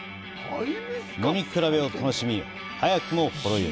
飲み比べを楽しみ、早くもほろ酔い！